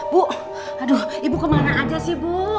bu aduh ibu kemana aja sih bu